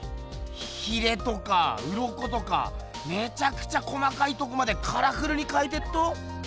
ヒレとかウロコとかめちゃくちゃ細かいとこまでカラフルにかいてっと。